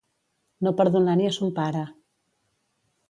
No perdonar ni a son pare.